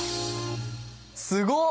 すごっ！